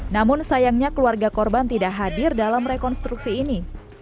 namun sayangnya keluarga korban tidak hadir dalam rekonstruksi ini